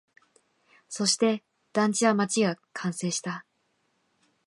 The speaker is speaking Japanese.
そして、団地は、街は完成した